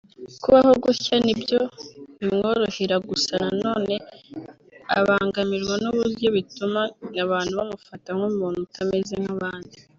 Kubaho gutya nibyo bimworohera gusa nanone abangamirwa n’uburyo bituma abantu bamufata nk’umuntu utameze nk’abandi